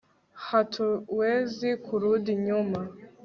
hatuwezi kurudi nyuma